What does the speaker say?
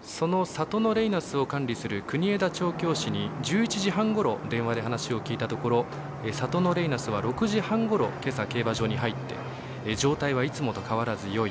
そのサトノレイナスを管理する国枝調教師に１１時半ごろ電話で話を聞いたところサトノレイナスは６時半ごろけさ、競馬場に入って状態はいつもと変わらずよい。